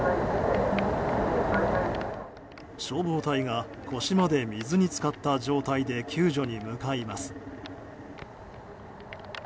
消防隊が腰まで水に浸かった状態で救助に向かいます。